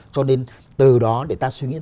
cho nên từ đó để ta suy nghĩ